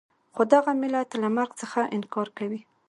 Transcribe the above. خو دغه ملت له مرګ څخه انکار کوي.